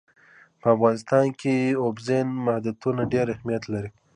په افغانستان کې اوبزین معدنونه ډېر اهمیت لري.